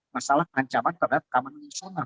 masalah ancaman terhadap keamanan nasional